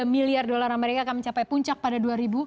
tiga miliar dolar amerika akan mencapai puncak pada dua ribu dua puluh